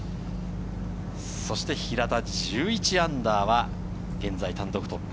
そして平田、−１１は現在、単独トップ。